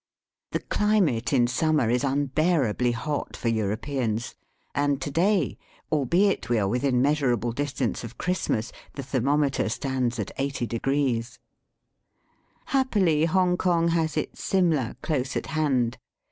The climate in summer is unbearably hot for Europeans, and to day, albeit we are within measurable distance of Christmas, the thermometer stands at 80"*. Happily Hongkong has its Simla close at hand.